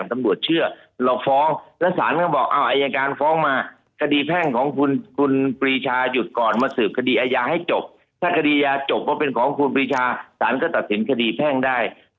แต่ถ้าฟ้องไปแล้วสารก็บอกว่า